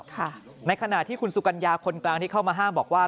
ค่ะในขณะที่คุณสุกัญญาคนกลางที่เข้ามาห้ามบอกว่า